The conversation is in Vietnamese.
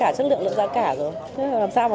tất nhiên là về giá cả nhiều hơn tại vì bọn em sinh viên